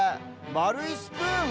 まるいスプーン？